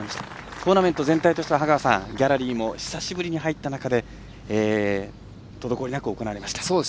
トーナメント全体としてはギャラリーも久しぶりに入った中で滞りなく行われました。